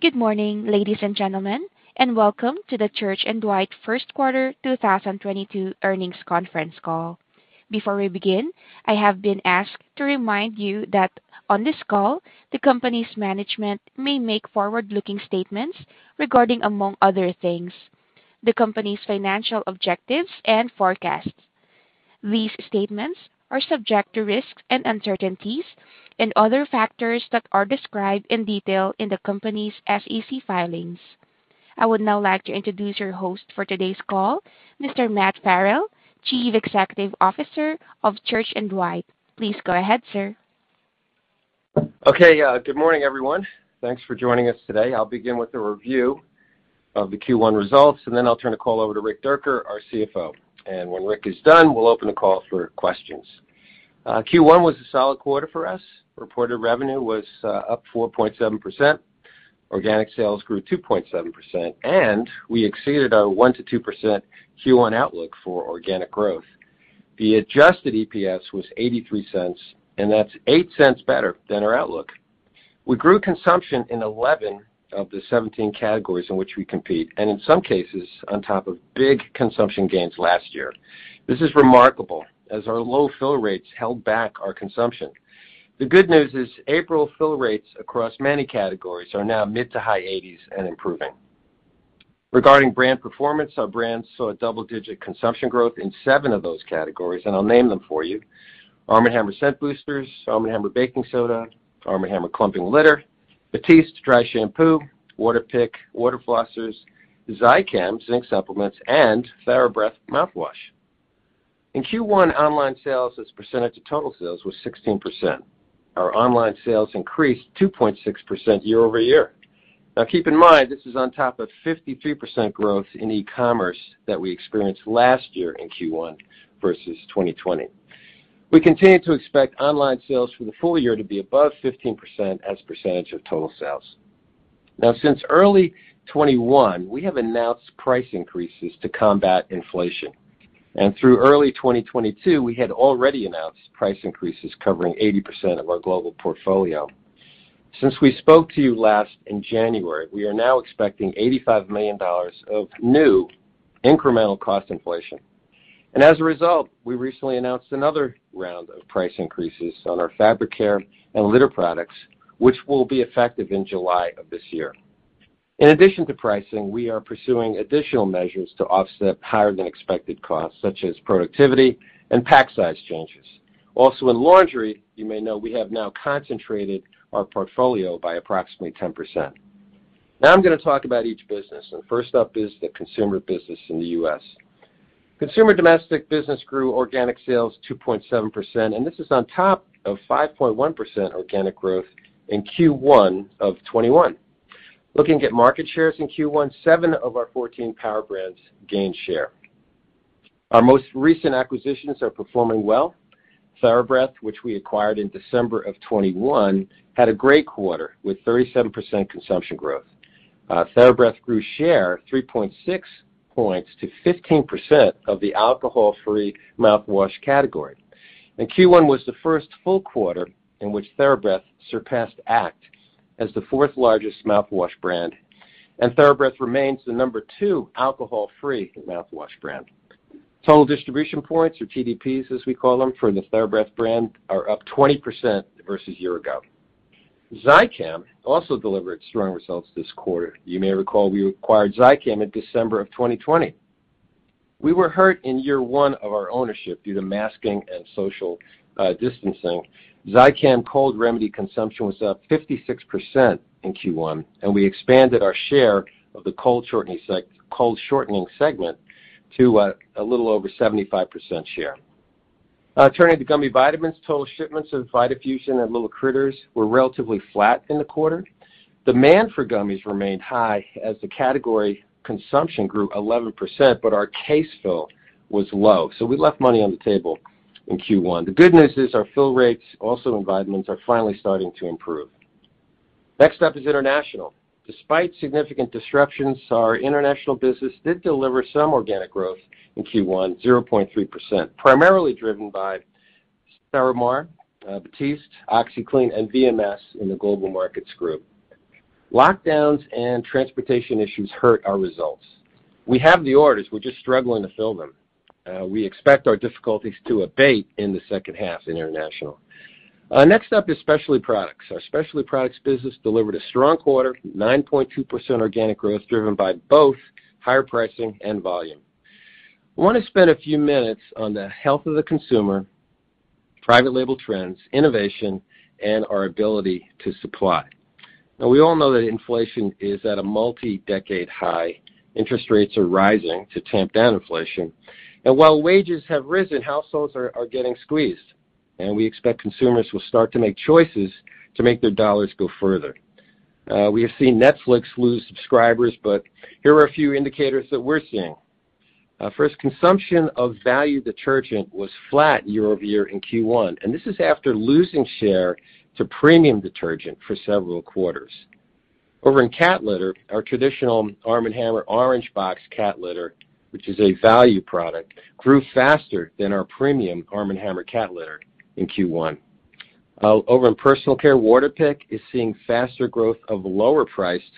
Good morning, ladies and gentlemen, and welcome to the Church & Dwight First Quarter 2022 Earnings Conference Call. Before we begin, I have been asked to remind you that on this call, the company's management may make forward-looking statements regarding, among other things, the company's financial objectives and forecasts. These statements are subject to risks and uncertainties and other factors that are described in detail in the company's SEC filings. I would now like to introduce your host for today's call, Mr. Matt Farrell, Chief Executive Officer of Church & Dwight. Please go ahead, sir. Okay. Good morning, everyone. Thanks for joining us today. I'll begin with a review of the Q1 results, and then I'll turn the call over to Rick Dierker, our CFO. When Rick is done, we'll open the call for questions. Q1 was a solid quarter for us. Reported revenue was up 4.7%. Organic sales grew 2.7%, and we exceeded our 1%-2% Q1 outlook for organic growth. The adjusted EPS was $0.83, and that's $0.08 better than our outlook. We grew consumption in 11 of the 17 categories in which we compete, and in some cases, on top of big consumption gains last year. This is remarkable as our low fill rates held back our consumption. The good news is, April fill rates across many categories are now mid- to high 80s and improving. Regarding brand performance, our brands saw a double-digit consumption growth in seven of those categories, and I'll name them for you. Arm & Hammer Scent Boosters, Arm & Hammer Baking Soda, Arm & Hammer Clumping Litter, Batiste Dry Shampoo, Waterpik Water Flossers, Zicam Zinc Supplements, and TheraBreath Mouthwash. In Q1, online sales as a percentage of total sales was 16%. Our online sales increased 2.6% year-over-year. Now, keep in mind, this is on top of 53% growth in e-commerce that we experienced last year in Q1 versus 2020. We continue to expect online sales for the full year to be above 15% as a percentage of total sales. Now, since early 2021, we have announced price increases to combat inflation. Through early 2022, we had already announced price increases covering 80% of our global portfolio. Since we spoke to you last in January, we are now expecting $85 million of new incremental cost inflation. As a result, we recently announced another round of price increases on our fabric care and litter products, which will be effective in July of this year. In addition to pricing, we are pursuing additional measures to offset higher than expected costs, such as productivity and pack size changes. Also in laundry, you may know we have now concentrated our portfolio by approximately 10%. Now I'm gonna talk about each business, and first up is the consumer business in the U.S. Consumer domestic business grew organic sales 2.7%, and this is on top of 5.1% organic growth in Q1 of 2021. Looking at market shares in Q1, 7 of our 14 power brands gained share. Our most recent acquisitions are performing well. TheraBreath, which we acquired in December 2021, had a great quarter with 37% consumption growth. TheraBreath grew share 3.6 points to 15% of the alcohol-free mouthwash category. Q1 was the first full quarter in which TheraBreath surpassed ACT as the fourth largest mouthwash brand, and TheraBreath remains the No. 2 alcohol-free mouthwash brand. Total distribution points or TDPs, as we call them, for the TheraBreath brand, are up 20% versus year ago. Zicam also delivered strong results this quarter. You may recall we acquired Zicam in December 2020. We were hurt in year one of our ownership due to masking and social distancing. Zicam cold remedy consumption was up 56% in Q1, and we expanded our share of the cold shortening segment to a little over 75% share. Turning to gummy vitamins, total shipments of VitaFusion and L'il Critters were relatively flat in the quarter. Demand for gummies remained high as the category consumption grew 11%, but our case fill was low, so we left money on the table in Q1. The good news is our fill rates also in vitamins are finally starting to improve. Next up is international. Despite significant disruptions, our international business did deliver some organic growth in Q1, 0.3%, primarily driven by Stérimar, Batiste, OxiClean, and VMS in the Global Markets Group. Lockdowns and transportation issues hurt our results. We have the orders, we're just struggling to fill them. We expect our difficulties to abate in the second half in international. Next up is specialty products. Our specialty products business delivered a strong quarter, 9.2% organic growth driven by both higher pricing and volume. I wanna spend a few minutes on the health of the consumer, private label trends, innovation, and our ability to supply. Now, we all know that inflation is at a multi-decade high. Interest rates are rising to tamp down inflation. While wages have risen, households are getting squeezed, and we expect consumers will start to make choices to make their dollars go further. We have seen Netflix lose subscribers, but here are a few indicators that we're seeing. First, consumption of value detergent was flat year-over-year in Q1, and this is after losing share to premium detergent for several quarters. Over in cat litter, our traditional Arm & Hammer Orange Box Cat Litter, which is a value product, grew faster than our premium Arm & Hammer Cat Litter in Q1. Over in personal care, Waterpik is seeing faster growth of lower priced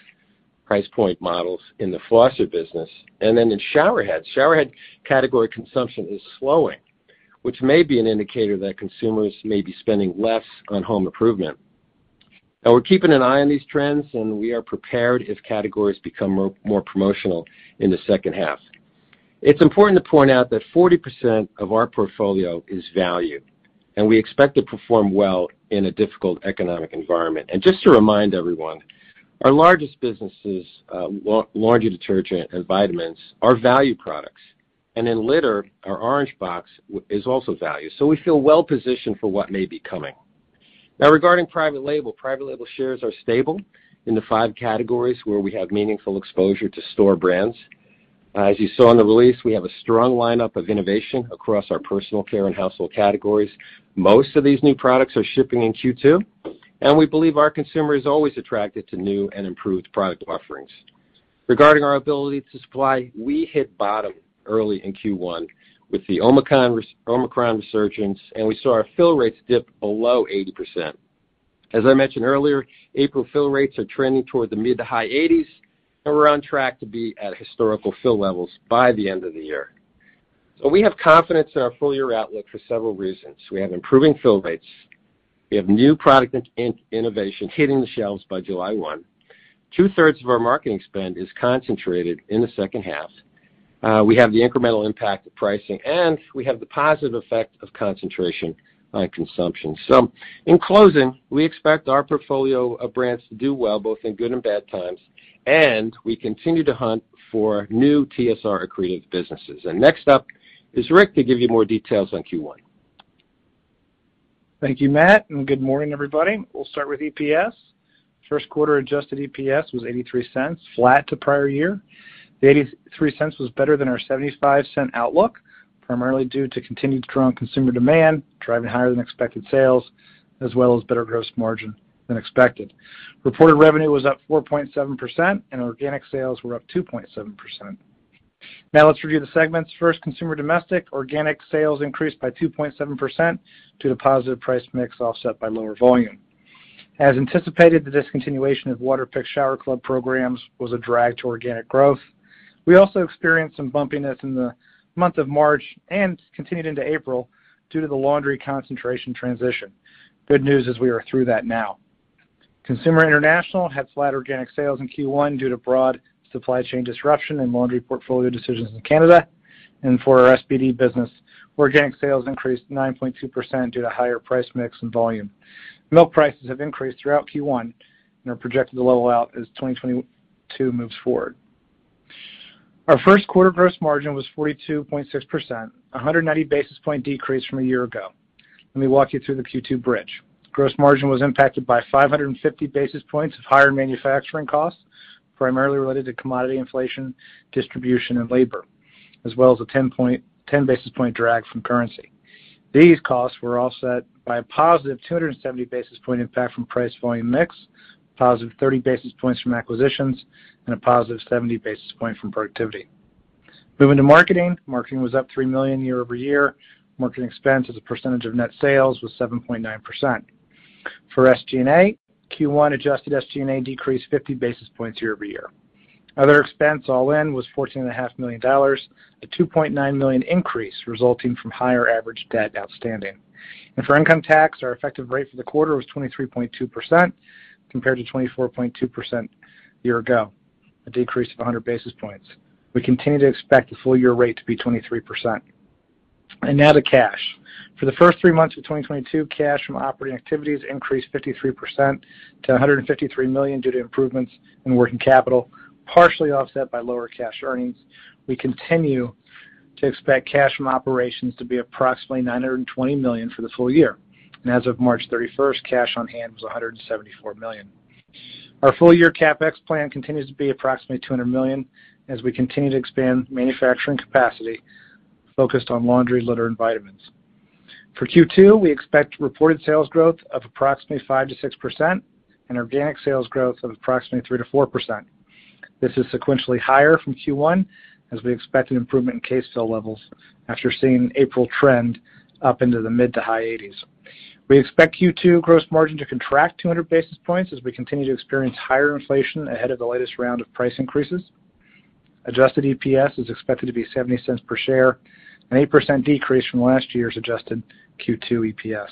price point models in the flosser business. In shower heads, shower head category consumption is slowing, which may be an indicator that consumers may be spending less on home improvement. Now, we're keeping an eye on these trends, and we are prepared if categories become more promotional in the second half. It's important to point out that 40% of our portfolio is value, and we expect to perform well in a difficult economic environment. Just to remind everyone, our largest businesses, laundry detergent and vitamins are value products. In litter, our Orange Box is also value, so we feel well-positioned for what may be coming. Now regarding private label, private label shares are stable in the five categories where we have meaningful exposure to store brands. As you saw in the release, we have a strong lineup of innovation across our personal care and household categories. Most of these new products are shipping in Q2, and we believe our consumer is always attracted to new and improved product offerings. Regarding our ability to supply, we hit bottom early in Q1 with the Omicron resurgence, and we saw our fill rates dip below 80%. As I mentioned earlier, April fill rates are trending toward the mid- to high 80s, and we're on track to be at historical fill levels by the end of the year. We have confidence in our full year outlook for several reasons. We have improving fill rates, we have new product innovation hitting the shelves by July 1. 2/3 of our marketing spend is concentrated in the second half. We have the incremental impact of pricing, and we have the positive effect of concentration on consumption. In closing, we expect our portfolio of brands to do well both in good and bad times, and we continue to hunt for new TSR accretive businesses. Next up is Rick to give you more details on Q1. Thank you, Matt, and good morning, everybody. We'll start with EPS. First quarter adjusted EPS was $0.83, flat to prior year. The $0.83 was better than our $0.75 outlook, primarily due to continued strong consumer demand, driving higher than expected sales, as well as better gross margin than expected. Reported revenue was up 4.7%, and organic sales were up 2.7%. Now let's review the segments. First, consumer domestic. Organic sales increased by 2.7% due to the positive price mix offset by lower volume. As anticipated, the discontinuation of Waterpik Shower Club programs was a drag to organic growth. We also experienced some bumpiness in the month of March and continued into April due to the laundry concentration transition. Good news is we are through that now. Consumer international had flat organic sales in Q1 due to broad supply chain disruption and laundry portfolio decisions in Canada. For our SBD business, organic sales increased 9.2% due to higher price mix and volume. Milk prices have increased throughout Q1 and are projected to level out as 2022 moves forward. Our first quarter gross margin was 42.6%, 190 basis point decrease from a year ago. Let me walk you through the Q2 bridge. Gross margin was impacted by 550 basis points of higher manufacturing costs, primarily related to commodity inflation, distribution and labor, as well as a 10 basis point drag from currency. These costs were offset by a positive 270 basis point impact from price volume mix, a positive 30 basis points from acquisitions, and a positive 70 basis point from productivity. Moving to marketing. Marketing was up $3 million year-over-year. Marketing expense as a percentage of net sales was 7.9%. For SG&A, Q1 adjusted SG&A decreased 50 basis points year-over-year. Other expense all in was $14.5 million, a $2.9 million increase resulting from higher average debt outstanding. For income tax, our effective rate for the quarter was 23.2% compared to 24.2% year ago, a decrease of 100 basis points. We continue to expect the full year rate to be 23%. Now to cash. For the first three months of 2022, cash from operating activities increased 53% to $153 million due to improvements in working capital, partially offset by lower cash earnings. We continue to expect cash from operations to be approximately $920 million for the full year. As of March 31st, cash on hand was $174 million. Our full year CapEx plan continues to be approximately $200 million as we continue to expand manufacturing capacity focused on laundry, litter, and vitamins. For Q2, we expect reported sales growth of approximately 5%-6% and organic sales growth of approximately 3%-4%. This is sequentially higher from Q1 as we expect an improvement in case fill levels after seeing April trend up into the mid- to high 80s. We expect Q2 gross margin to contract 200 basis points as we continue to experience higher inflation ahead of the latest round of price increases. Adjusted EPS is expected to be $0.70 per share, an 8% decrease from last year's adjusted Q2 EPS.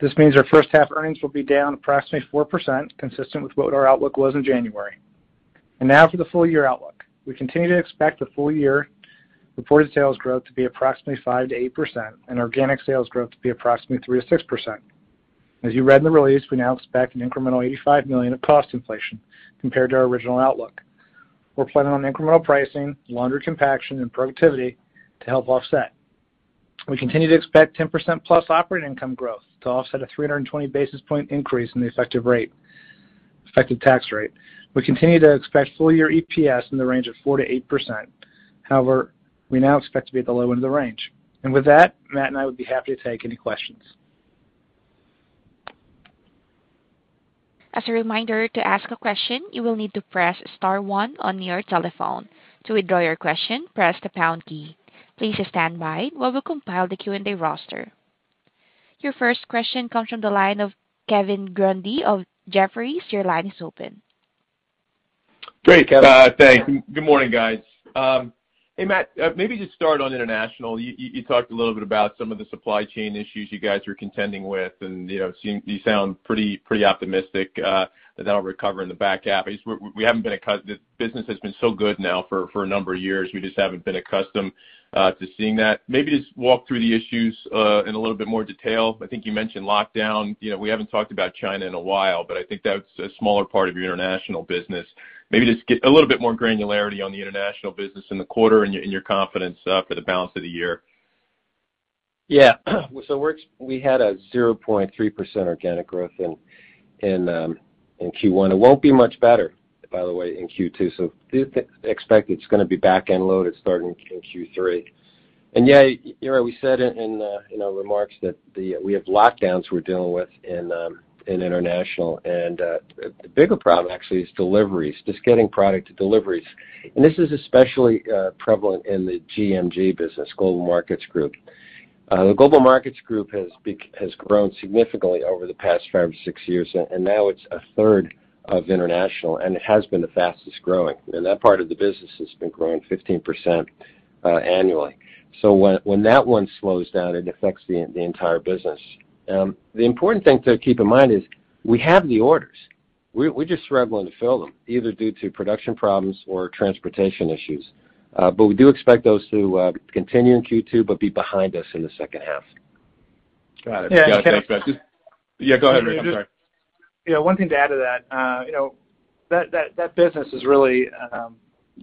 This means our first half earnings will be down approximately 4%, consistent with what our outlook was in January. Now for the full year outlook. We continue to expect the full year reported sales growth to be approximately 5%-8% and organic sales growth to be approximately 3%-6%. As you read in the release, we now expect an incremental $85 million of cost inflation compared to our original outlook. We're planning on incremental pricing, laundry compaction, and productivity to help offset. We continue to expect 10%+ operating income growth to offset a 320 basis point increase in the effective rate, effective tax rate. We continue to expect full year EPS in the range of 4%-8%. However, we now expect to be at the low end of the range. With that, Matt and I would be happy to take any questions. As a reminder, to ask a question, you will need to press star one on your telephone. To withdraw your question, press the pound key. Please stand by while we compile the Q&A roster. Your first question comes from the line of Kevin Grundy of Jefferies. Your line is open. Great. Thanks. Good morning, guys. Hey, Matt, maybe just start on international. You talked a little bit about some of the supply chain issues you guys are contending with, and you know, you sound pretty optimistic that that'll recover in the back half. I guess business has been so good now for a number of years, we just haven't been accustomed to seeing that. Maybe just walk through the issues in a little bit more detail. I think you mentioned lockdown. You know, we haven't talked about China in a while, but I think that's a smaller part of your international business. Maybe just get a little bit more granularity on the international business in the quarter and your confidence for the balance of the year. Yeah. We had a 0.3% organic growth in Q1. It won't be much better, by the way, in Q2, so do expect it's gonna be back-end loaded starting in Q3. Yeah, you know, we said in the remarks that we have lockdowns we're dealing with in international. The bigger problem actually is deliveries, just getting product deliveries. This is especially prevalent in the GMG business, Global Markets Group. The Global Markets Group has grown significantly over the past five or six years, and now it's a third of international, and it has been the fastest growing. That part of the business has been growing 15% annually. When that one slows down, it affects the entire business. The important thing to keep in mind is we have the orders. We're just struggling to fill them, either due to production problems or transportation issues. We do expect those to continue in Q2, but be behind us in the second half. Got it. Thanks, Matt. Yeah. Yeah, go ahead, Rick. I'm sorry. Yeah, one thing to add to that, you know, that business is really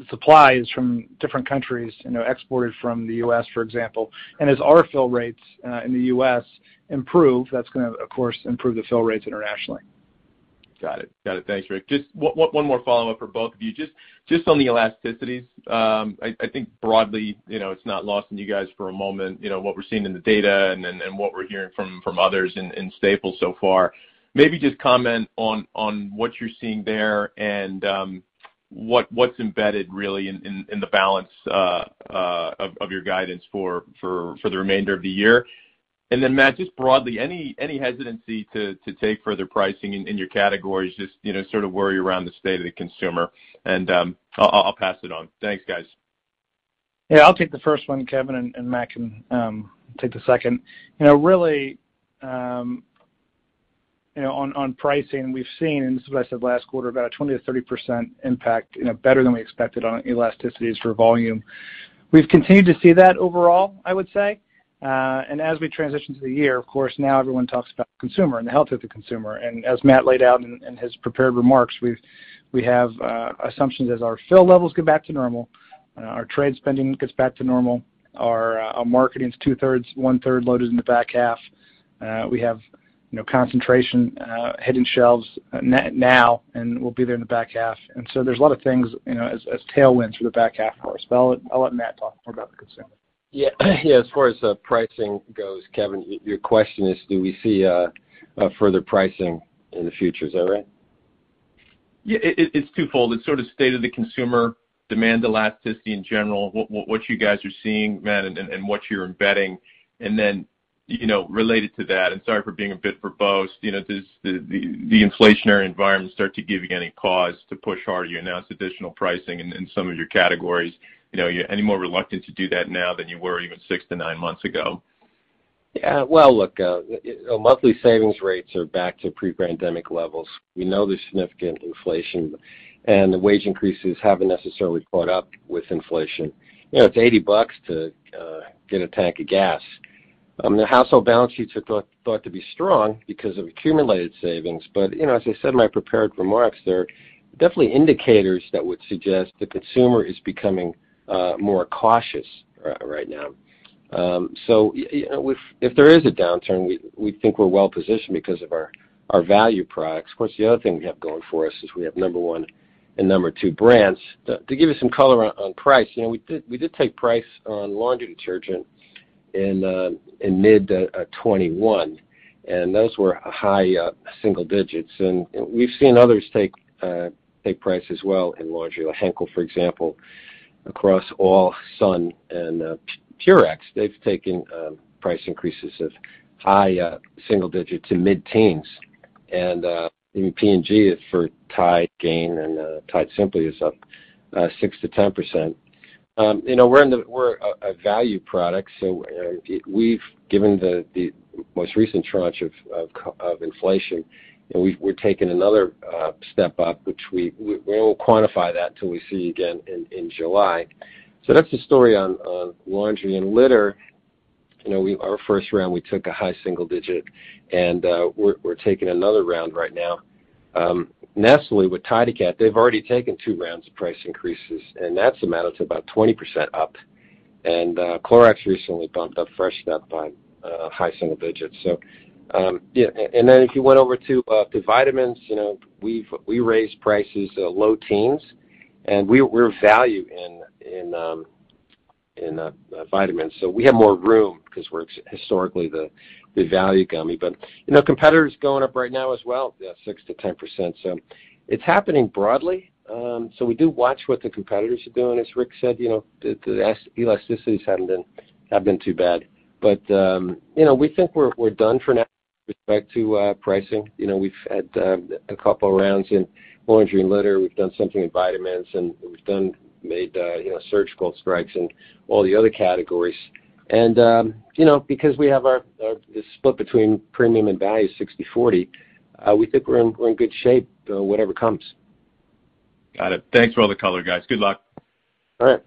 supplies from different countries, you know, exported from the U.S., for example. As our fill rates in the U.S. improve, that's gonna, of course, improve the fill rates internationally. Got it. Thanks, Rick. Just one more follow-up for both of you. Just on the elasticities, I think broadly, you know, it's not lost on you guys for a moment, you know, what we're seeing in the data and what we're hearing from others in consumer staples so far. Maybe just comment on what you're seeing there and what's embedded really in the balance of your guidance for the remainder of the year. Then Matt, just broadly, any hesitancy to take further pricing in your categories, just you know sort of worry around the state of the consumer. I'll pass it on. Thanks, guys. Yeah, I'll take the first one, Kevin, and Matt can take the second. You know, really, you know, on pricing, we've seen, and this is what I said last quarter, about a 20%-30% impact, you know, better than we expected on elasticities for volume. We've continued to see that overall, I would say. As we transition to the year, of course, now everyone talks about consumer and the health of the consumer. As Matt laid out in his prepared remarks, we have assumptions as our fill levels get back to normal, our trade spending gets back to normal, our marketing's two-thirds, one-third loaded in the back half. We have, you know, concentration, hitting shelves now and will be there in the back half. There's a lot of things, you know, as tailwinds for the back half for us. But I'll let Matt talk more about the consumer. Yeah. Yeah, as far as pricing goes, Kevin, your question is, do we see further pricing in the future? Is that right? Yeah, it is twofold. It's sort of state of the consumer, demand elasticity in general, what you guys are seeing, Matt, and what you're embedding. Then, you know, related to that, and sorry for being a bit verbose, you know, does the inflationary environment start to give you any cause to push harder? You announced additional pricing in some of your categories. You know, are you any more reluctant to do that now than you were even 6-9 months ago? Yeah. Well, look, you know, monthly savings rates are back to pre-pandemic levels. We know there's significant inflation, and the wage increases haven't necessarily caught up with inflation. You know, it's $80 to get a tank of gas. The household balance sheets are thought to be strong because of accumulated savings, but you know, as I said in my prepared remarks, there are definitely indicators that would suggest the consumer is becoming more cautious right now. You know, if there is a downturn, we think we're well positioned because of our value products. Of course, the other thing we have going for us is we have number one and number two brands. To give you some color on price, you know, we did take price on laundry detergent in mid-2021, and those were high single digits. We've seen others take price as well in laundry, like Henkel, for example, across all, Sun, and Purex. They've taken price increases of high single digits to mid-teens. Even P&G for Tide, Gain, and Tide Simply is up 6%-10%. You know, we're a value product, so we've given the most recent tranche of inflation, and we're taking another step up, which we won't quantify that till we see you again in July. That's the story on laundry. Litter, you know, our first round, we took a high single digit, and we're taking another round right now. Nestlé with Tidy Cats, they've already taken two rounds of price increases, and that's amounted to about 20% up. Clorox recently bumped up Fresh Step by high single digits. Yeah. If you went over to vitamins, you know, we've raised prices low teens, and we're value in. In vitamins. We have more room because we're historically the value gummy. You know, competitors going up right now as well, 6%-10%. It's happening broadly. We do watch what the competitors are doing. As Rick said, you know, the elasticities haven't been too bad. You know, we think we're done for now with respect to pricing. You know, we've had a couple of rounds in laundry and litter. We've done something in vitamins, and we've made, you know, surgical strikes in all the other categories. You know, because we have the split between premium and value, 60/40, we think we're in good shape, whatever comes. Got it. Thanks for all the color, guys. Good luck. All right.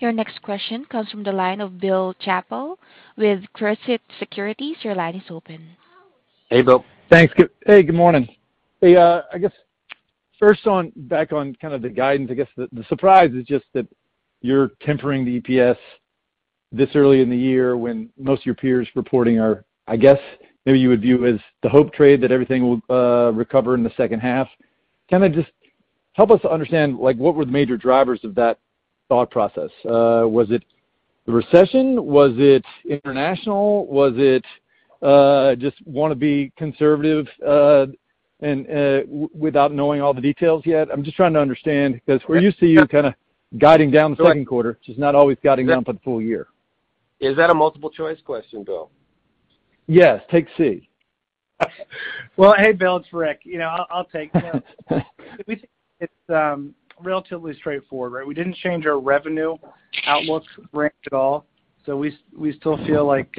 Your next question comes from the line of Bill Chappell with Truist Securities. Your line is open. Hey, Bill. Thanks. Hey, good morning. I guess first on, back on kind of the guidance, I guess the surprise is just that you're tempering the EPS this early in the year when most of your peers reporting are, I guess, maybe you would view as the hope trade that everything will recover in the second half. Can I just help us understand, like, what were the major drivers of that thought process? Was it the recession? Was it international? Was it just wanna be conservative and without knowing all the details yet? I'm just trying to understand because we're used to you kind of guiding down the second quarter, just not always guiding down for the full year. Is that a multiple choice question, Bill? Yes. Take C. Well, hey, Bill, it's Rick. You know, I'll take. We think it's relatively straightforward, right? We didn't change our revenue outlook range at all, so we still feel like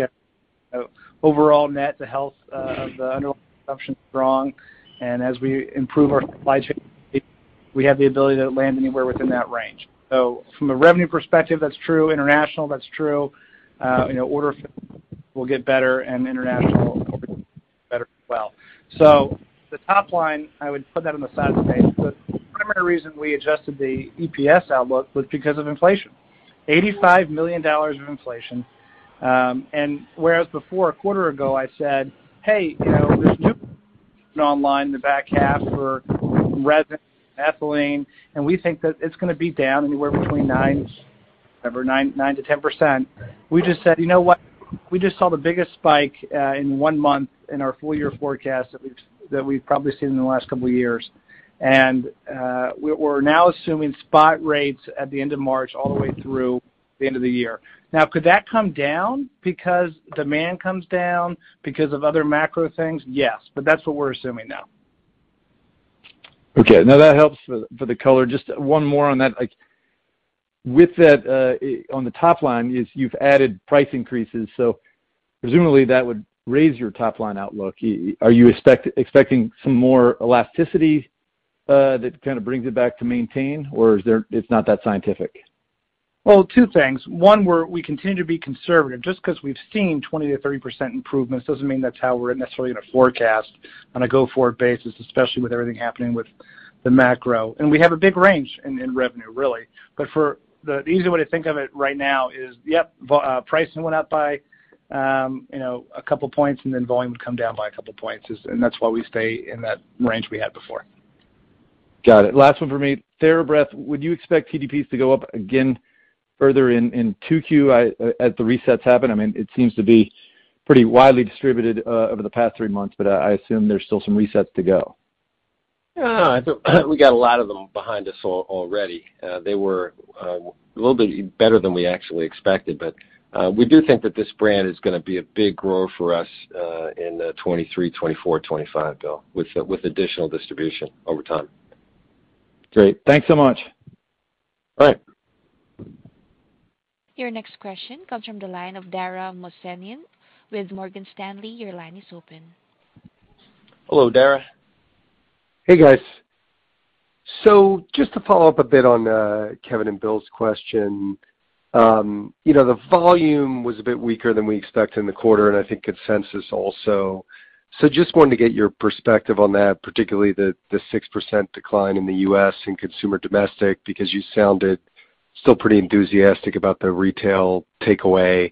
overall net, the health of the underlying consumption is strong. As we improve our supply chain, we have the ability to land anywhere within that range. From a revenue perspective, that's true. International, that's true. You know, orders will get better and international will get better as well. The top line, I would put that on the side of the page, but the primary reason we adjusted the EPS outlook was because of inflation. $85 million of inflation, whereas before a quarter ago, I said, "Hey, you know, there's new online in the back half for resin, ethylene, and we think that it's gonna be down anywhere between 9%, remember, 9%-10%." We just said, "You know what? We just saw the biggest spike in one month in our full year forecast that we've probably seen in the last couple of years. We're now assuming spot rates at the end of March all the way through the end of the year." Now could that come down because demand comes down because of other macro things? Yes, but that's what we're assuming now. Okay. No, that helps for the color. Just one more on that. Like, with that, on the top line, you've added price increases, so presumably that would raise your top line outlook. Are you expecting some more elasticity that kind of brings it back to maintain, or is there? It's not that scientific? Well, two things. One, we continue to be conservative. Just 'cause we've seen 20%-30% improvements doesn't mean that's how we're necessarily gonna forecast on a go-forward basis, especially with everything happening with the macro. We have a big range in revenue, really. For the easy way to think of it right now is, yep, pricing went up by a couple points and then volume would come down by a couple of points. That's why we stay in that range we had before. Got it. Last one for me. TheraBreath, would you expect TDPs to go up again further in 2Q, as the resets happen? I mean, it seems to be pretty widely distributed over the past three months, but I assume there's still some resets to go. We got a lot of them behind us already. They were a little bit better than we actually expected, but we do think that this brand is gonna be a big grower for us in the 2023, 2024, 2025, Bill, with additional distribution over time. Great. Thanks so much. All right. Your next question comes from the line of Dara Mohsenian with Morgan Stanley. Your line is open. Hello, Dara. Hey, guys. Just to follow up a bit on Kevin and Bill's question, you know, the volume was a bit weaker than we expect in the quarter, and I think consensus also. Just wanted to get your perspective on that, particularly the 6% decline in the U.S. in Consumer Domestic because you sounded still pretty enthusiastic about the retail takeaway.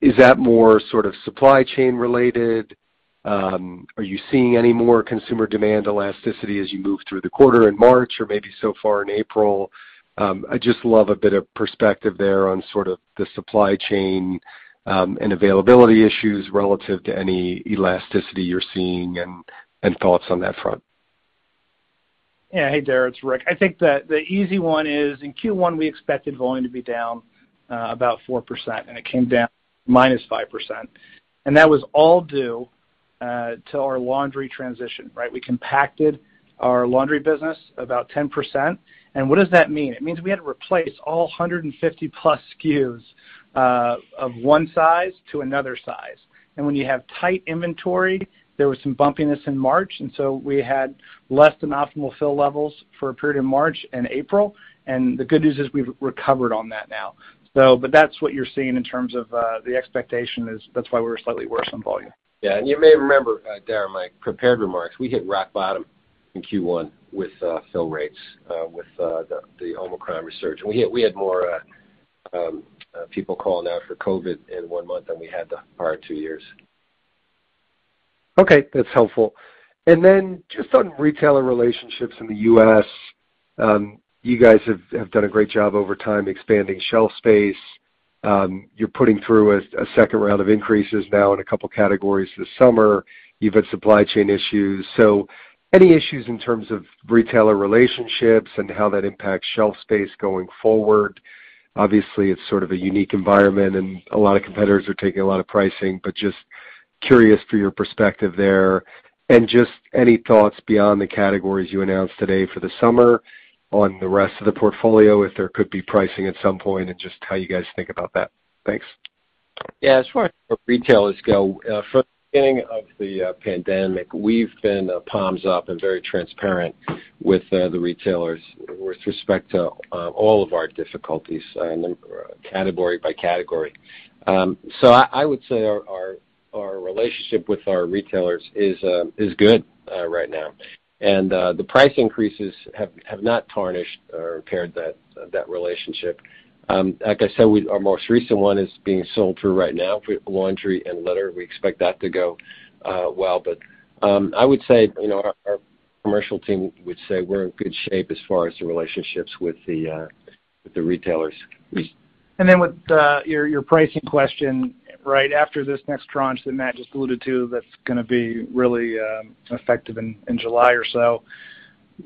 Is that more sort of supply chain related? Are you seeing any more consumer demand elasticity as you move through the quarter in March or maybe so far in April? I'd just love a bit of perspective there on sort of the supply chain and availability issues relative to any elasticity you're seeing and thoughts on that front. Yeah. Hey, Dara, it's Rick. I think the easy one is in Q1 we expected volume to be down about 4%, and it came down -5%. That was all due to our laundry transition, right? We compacted our laundry business about 10%. What does that mean? It means we had to replace all 150+ SKUs of one size to another size. When you have tight inventory, there was some bumpiness in March, and so we had less than optimal fill levels for a period in March and April. The good news is we've recovered on that now. That's what you're seeing in terms of the expectation is that's why we're slightly worse on volume. You may remember, Dara, my prepared remarks, we hit rock bottom in Q1 with fill rates with the Omicron surge. We had more people calling out for COVID in one month than we had the prior two years. Okay, that's helpful. Then just on retailer relationships in the U.S., you guys have done a great job over time expanding shelf space. You're putting through a second round of increases now in a couple categories this summer. You've had supply chain issues. Any issues in terms of retailer relationships and how that impacts shelf space going forward? Obviously, it's sort of a unique environment, and a lot of competitors are taking a lot of pricing, but just curious for your perspective there. Just any thoughts beyond the categories you announced today for the summer on the rest of the portfolio, if there could be pricing at some point, and just how you guys think about that. Thanks. Yeah. As far as retailers go, from the beginning of the pandemic, we've been palms up and very transparent with the retailers with respect to all of our difficulties and then category by category. I would say our relationship with our retailers is good right now. The price increases have not tarnished or impaired that relationship. Like I said, our most recent one is being sold through right now for laundry and litter. We expect that to go well. I would say, you know, our commercial team would say we're in good shape as far as the relationships with the retailers. With your pricing question, right after this next tranche that Matt just alluded to that's gonna be really effective in July or so,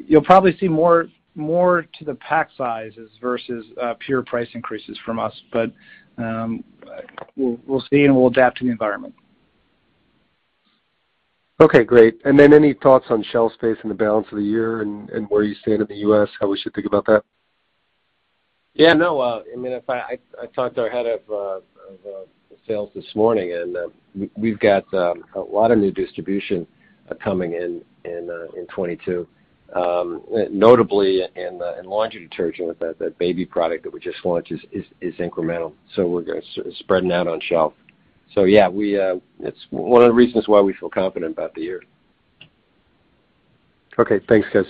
you'll probably see more to the pack sizes versus pure price increases from us. We'll see, and we'll adapt to the environment. Okay, great. Any thoughts on shelf space in the balance of the year and where you stand in the U.S., how we should think about that? Yeah, no. I mean, if I talked to our head of sales this morning, and we've got a lot of new distribution coming in in 2022. Notably in laundry detergent with that baby product that we just launched is incremental. We're spreading that on shelf. Yeah, it's one of the reasons why we feel confident about the year. Okay, thanks, guys.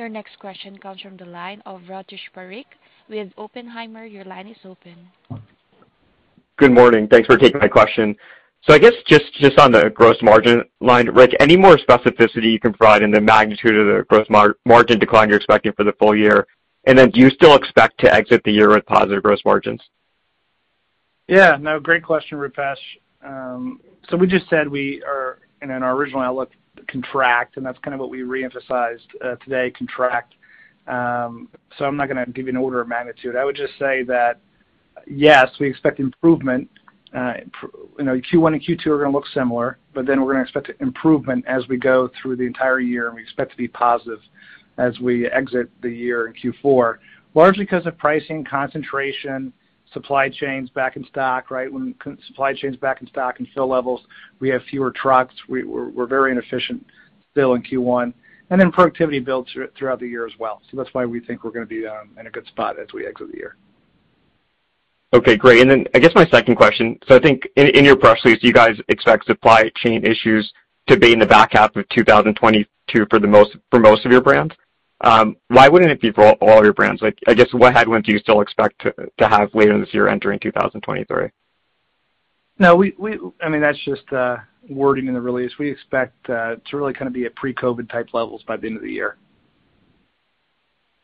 Your next question comes from the line of Rupesh Parikh with Oppenheimer. Your line is open. Good morning. Thanks for taking my question. I guess just on the gross margin line, Rick, any more specificity you can provide in the magnitude of the gross margin decline you're expecting for the full year? Do you still expect to exit the year with positive gross margins? Yeah. No, great question, Rupesh. We just said we are in our original outlook, and that's kind of what we reemphasized today. I'm not gonna give you an order of magnitude. I would just say that, yes, we expect improvement. You know, Q1 and Q2 are gonna look similar, but then we're gonna expect improvement as we go through the entire year, and we expect to be positive as we exit the year in Q4, largely 'cause of pricing, concentration, supply chains back in stock, right? When supply chains back in stock and fill levels, we have fewer trucks. We're very inefficient still in Q1. Then productivity builds throughout the year as well. That's why we think we're gonna be in a good spot as we exit the year. Okay, great. I guess my second question, so I think in your press release, you guys expect supply chain issues to be in the back half of 2022 for most of your brands. Why wouldn't it be for all your brands? Like, I guess what headwinds do you still expect to have later this year entering 2023? No, I mean, that's just wording in the release. We expect to really kind of be at pre-COVID type levels by the end of the year.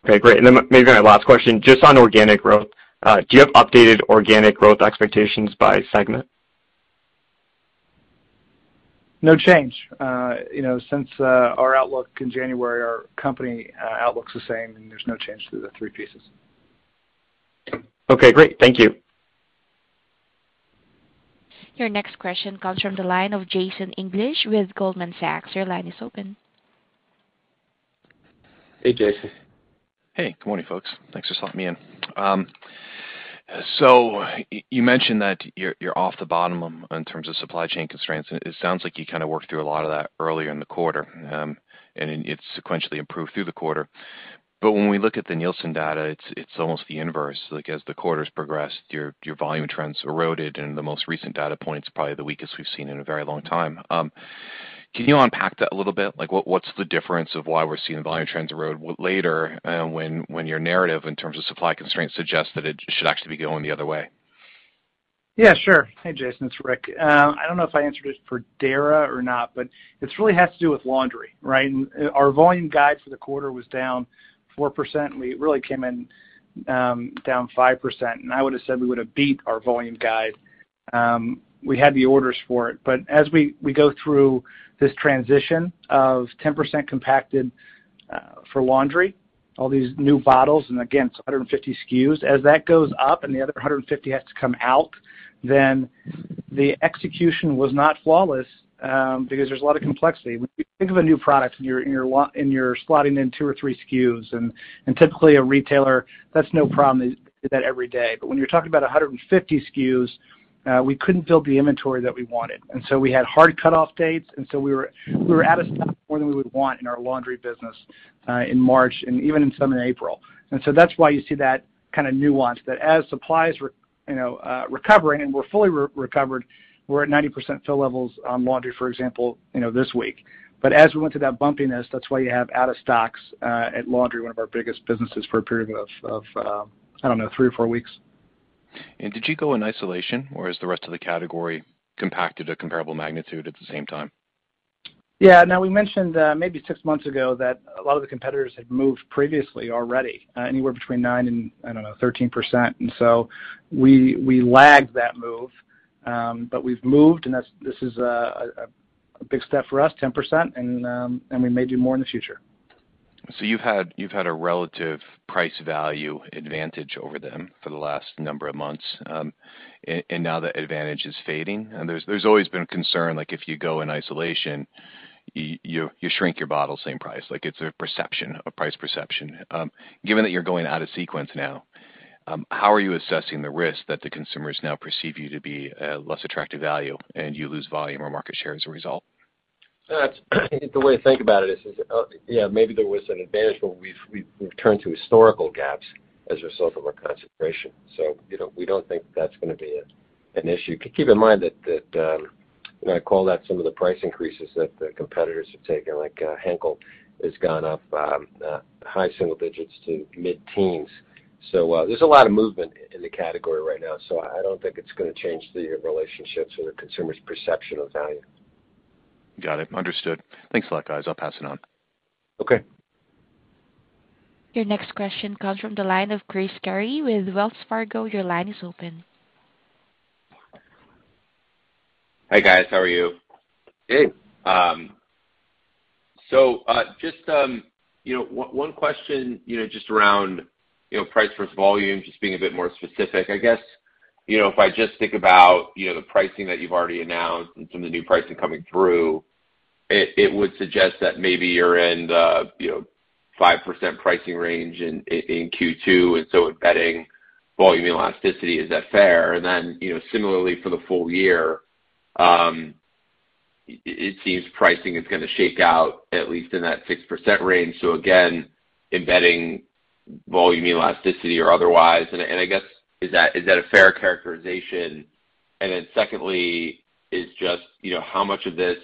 Okay, great. Maybe my last question, just on organic growth, do you have updated organic growth expectations by segment? No change. You know, since our outlook in January, our company outlook's the same, and there's no change to the three pieces. Okay, great. Thank you. Your next question comes from the line of Jason English with Goldman Sachs. Your line is open. Hey, Jason. Hey, good morning, folks. Thanks for slotting me in. So you mentioned that you're off the bottom in terms of supply chain constraints. It sounds like you kind of worked through a lot of that earlier in the quarter, and it sequentially improved through the quarter. When we look at the Nielsen data, it's almost the inverse. Like, as the quarters progressed, your volume trends eroded, and the most recent data point is probably the weakest we've seen in a very long time. Can you unpack that a little bit? Like, what's the difference of why we're seeing volume trends erode later, when your narrative in terms of supply constraints suggests that it should actually be going the other way? Yeah, sure. Hey, Jason, it's Rick. I don't know if I answered this for Dara or not, but this really has to do with laundry, right? Our volume guide for the quarter was down 4%. We really came in, down 5%, and I would've said we would've beat our volume guide. We had the orders for it. But as we go through this transition of 10% compacted, for laundry, all these new bottles, and again, it's 150 SKUs. As that goes up and the other 150 has to come out, then the execution was not flawless, because there's a lot of complexity. When you think of a new product and you're slotting in two or three SKUs, and typically a retailer, that's no problem. They do that every day. When you're talking about 150 SKUs, we couldn't build the inventory that we wanted. We had hard cutoff dates, we were out of stock more than we would want in our laundry business in March and even in some in April. That's why you see that kind of nuance that as supplies were recovering and we're fully recovered, we're at 90% fill levels on laundry, for example, this week. As we went through that bumpiness, that's why you have out of stocks at laundry, one of our biggest businesses for a period of, I don't know, three or four weeks. Did you go in isolation, or is the rest of the category compacted a comparable magnitude at the same time? Yeah. Now we mentioned maybe six months ago that a lot of the competitors had moved previously already anywhere between 9%-13%. We lagged that move, but we've moved, and that's. This is a big step for us, 10%, and we may do more in the future. You've had a relative price value advantage over them for the last number of months, and now the advantage is fading. There's always been a concern, like if you go in isolation, you shrink your bottle, same price. Like, it's a perception, a price perception. Given that you're going out of sequence now, how are you assessing the risk that the consumers now perceive you to be a less attractive value and you lose volume or market share as a result? That's the way to think about it is, yeah, maybe there was an advantage, but we've turned to historical gaps as a result of our concentration. You know, we don't think that's gonna be an issue. Keep in mind that, you know, I recall that some of the price increases that the competitors have taken, like, Henkel has gone up, high single digits to mid-teens. There's a lot of movement in the category right now, so I don't think it's gonna change the relationships or the consumer's perception of value. Got it. Understood. Thanks a lot, guys. I'll pass it on. Okay. Your next question comes from the line of Chris Carey with Wells Fargo. Your line is open. Hi, guys. How are you? Good. Just, you know, one question, you know, just around, you know, price versus volume, just being a bit more specific. I guess, you know, if I just think about, you know, the pricing that you've already announced and some of the new pricing coming through, it would suggest that maybe you're in the, you know, 5% pricing range in Q2, and embedding volume elasticity, is that fair? Then, you know, similarly for the full year, it seems pricing is gonna shake out at least in that 6% range, so again, embedding volume elasticity or otherwise. I guess, is that a fair characterization? Secondly is just, you know, how much of this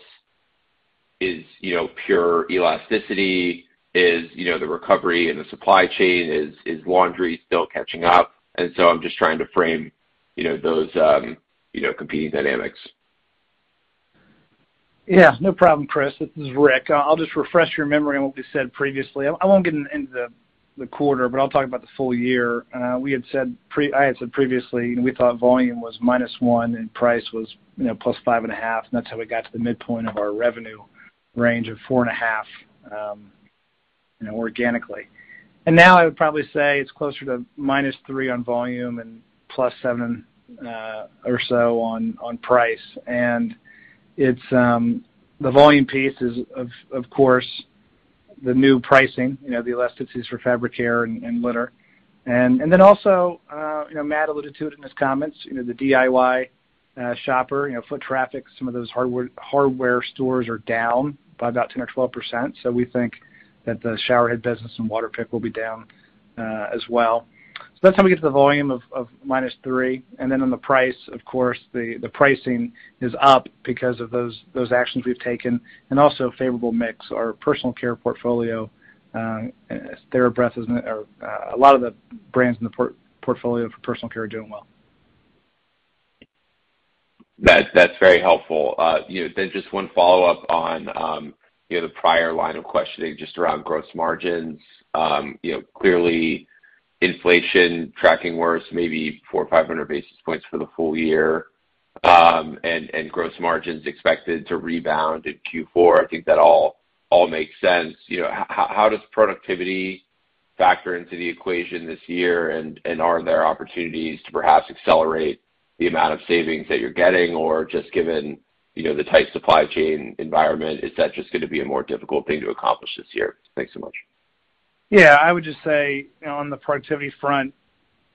is, you know, pure elasticity? Is, you know, the recovery in the supply chain? Is laundry still catching up? I'm just trying to frame, you know, those, you know, competing dynamics. Yeah. No problem, Chris. This is Rick. I'll just refresh your memory on what we said previously. I won't get into the quarter, but I'll talk about the full year. I had said previously we thought volume was -1% and price was, you know, +5.5%, and that's how we got to the midpoint of our revenue range of 4.5%, you know, organically. Now I would probably say it's closer to -3% on volume and +7% or so on price. It's the volume piece, of course, the new pricing, you know, the elasticities for fabric care and litter. Then also, you know, Matt alluded to it in his comments, you know, the DIY shopper, you know, foot traffic, some of those hardware stores are down by about 10 or 12%, so we think that the shower head business and Waterpik will be down as well. That's how we get to the volume of -3%. On the price, of course, the pricing is up because of those actions we've taken and also favorable mix. Our personal care portfolio, TheraBreath or a lot of the brands in the portfolio for personal care are doing well. That's very helpful. You know, just one follow-up on you know, the prior line of questioning, just around gross margins. You know, clearly inflation tracking worse maybe 400-500 basis points for the full year, and gross margins expected to rebound in Q4. I think that all makes sense. You know, how does productivity factor into the equation this year? And are there opportunities to perhaps accelerate the amount of savings that you're getting? Or just given you know, the tight supply chain environment, is that just gonna be a more difficult thing to accomplish this year? Thanks so much. Yeah. I would just say, you know, on the productivity front,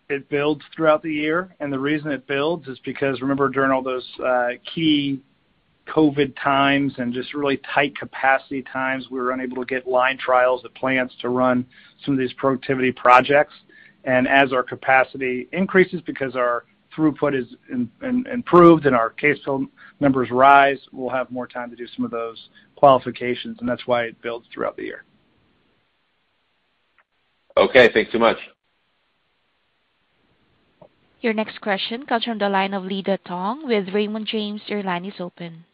it builds throughout the year, and the reason it builds is because remember during all those key COVID times and just really tight capacity times, we were unable to get line trials at plants to run some of these productivity projects. As our capacity increases because our throughput is improved and our case numbers rise, we'll have more time to do some of those qualifications, and that's why it builds throughout the year. Okay. Thanks so much. Your next question comes from the line of Olivia Tong with Raymond James. Your line is open.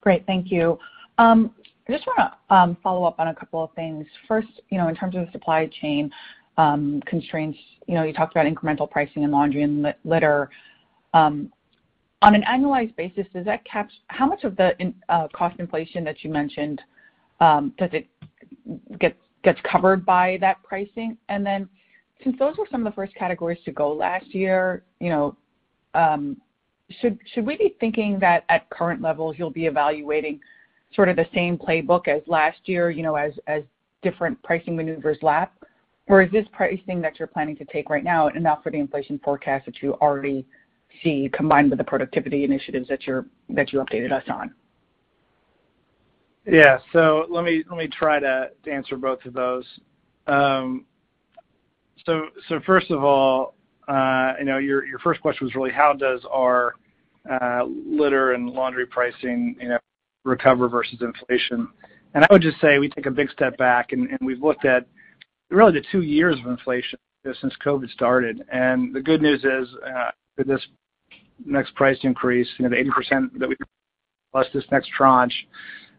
Great. Thank you. I just wanna follow up on a couple of things. First, you know, in terms of the supply chain constraints, you know, you talked about incremental pricing in laundry and litter. On an annualized basis, how much of the input cost inflation that you mentioned does it get covered by that pricing? And then since those were some of the first categories to go last year, you know, should we be thinking that at current levels you'll be evaluating sort of the same playbook as last year, you know, as different pricing maneuvers lap? Or is this pricing that you're planning to take right now enough for the inflation forecast that you already see combined with the productivity initiatives that you updated us on? Yeah. Let me try to answer both of those. First of all, you know, your first question was really how does our litter and laundry pricing, you know, recover versus inflation. I would just say we take a big step back and we've looked at really the two years of inflation since COVID started. The good news is that this next price increase, you know, the 80% that we plus this next tranche,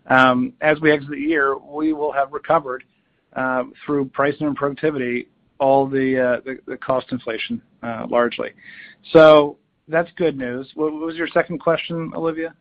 as we exit the year, we will have recovered through pricing and productivity, all the cost inflation largely. That's good news. What was your second question, Olivia?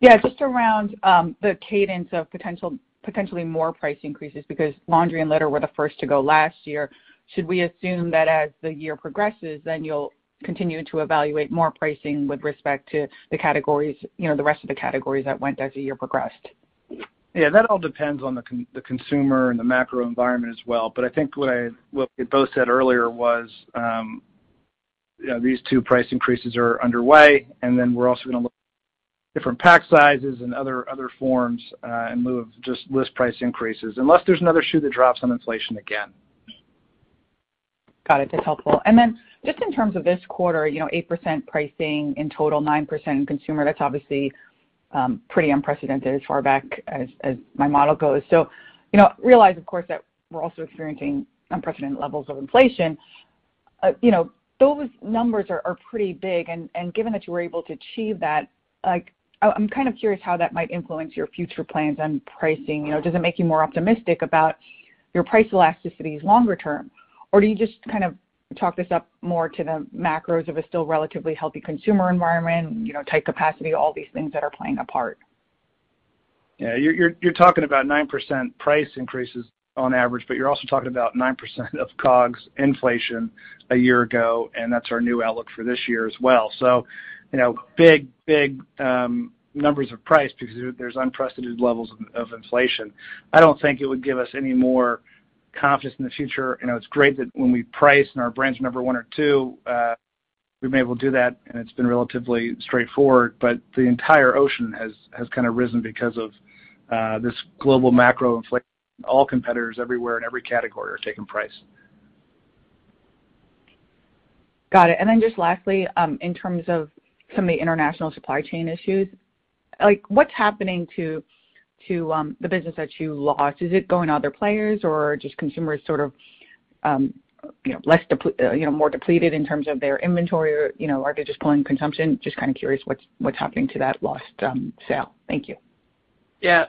Yeah, just around the cadence of potentially more price increases because laundry and litter were the first to go last year. Should we assume that as the year progresses, then you'll continue to evaluate more pricing with respect to the categories, you know, the rest of the categories that went as the year progressed? Yeah. That all depends on the consumer and the macro environment as well. I think what we both said earlier was, you know, these two price increases are underway, and then we're also gonna look different pack sizes and other forms in lieu of just list price increases. Unless there's another shoe that drops on inflation again. Got it. That's helpful. Then just in terms of this quarter, you know, 8% pricing, in total 9% in consumer, that's obviously pretty unprecedented as far back as my model goes. You know, realize, of course, that we're also experiencing unprecedented levels of inflation. You know, those numbers are pretty big. And given that you were able to achieve that, like, I'm kind of curious how that might influence your future plans on pricing. You know, does it make you more optimistic about your price elasticities longer term? Or do you just kind of chalk this up more to the macros of a still relatively healthy consumer environment, you know, tight capacity, all these things that are playing a part? Yeah. You're talking about 9% price increases on average, but you're also talking about 9% of COGS inflation a year ago, and that's our new outlook for this year as well. You know, big numbers of price because there's unprecedented levels of inflation. I don't think it would give us any more confidence in the future. You know, it's great that when we price and our brands are number one or two, we've been able to do that, and it's been relatively straightforward. But the entire ocean has kind of risen because of this global macro inflation. All competitors everywhere in every category are taking price. Got it. Just lastly, in terms of some of the international supply chain issues, like, what's happening to the business that you lost? Is it going to other players or are just consumers sort of, you know, more depleted in terms of their inventory? You know, are they just pulling consumption? Just kinda curious what's happening to that lost sale. Thank you. Yeah.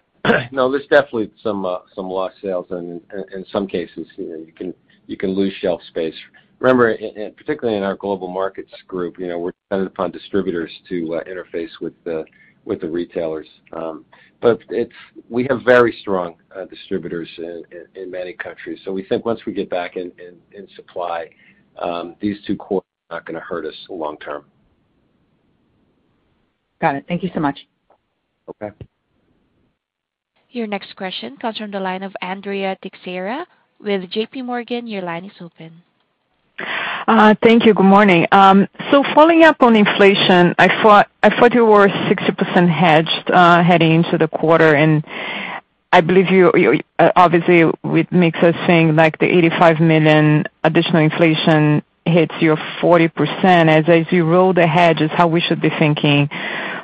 No, there's definitely some lost sales and in some cases, you know, you can lose shelf space. Remember, particularly in our Global Markets Group, you know, we're dependent upon distributors to interface with the retailers. We have very strong distributors in many countries. We think once we get back in supply, these two quarters are not gonna hurt us long term. Got it. Thank you so much. Okay. Your next question comes from the line of Andrea Teixeira with JPMorgan. Your line is open. Thank you. Good morning. Following up on inflation, I thought you were 60% hedged heading into the quarter. I believe you're obviously with mixes saying like the $85 million additional inflation hits your 40% as you roll the hedges, how we should be thinking